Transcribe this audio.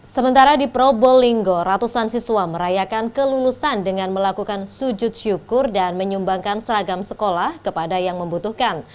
sementara di probolinggo ratusan siswa merayakan kelulusan dengan melakukan sujud syukur dan menyumbangkan seragam sekolah kepada yang membutuhkan